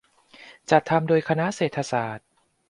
จัดทำโดยคณะเศรษฐศาสตร์